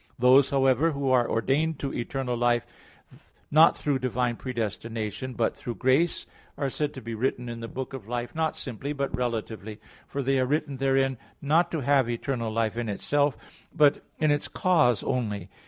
Those, however, who are ordained to eternal life, not through divine predestination, but through grace, are said to be written in the book of life not simply, but relatively, for they are written therein not to have eternal life in itself, but in its cause only.